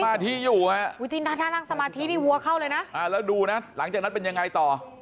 สมาธิอยู่อ่ะสมาธินี่วัวเข้าเลยนะแล้วดูนะหลังจากนั้นเป็นยังไงต่อ